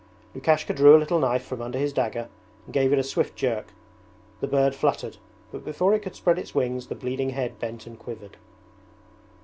Lukashka drew a little knife from under his dagger and gave it a swift jerk. The bird fluttered, but before it could spread its wings the bleeding head bent and quivered.